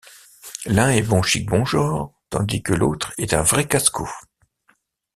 L'un est bon chic bon genre tandis que l'autre est un vrai casse-cou.